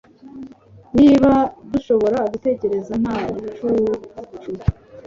Niba dushobora gutekereza nta bucucu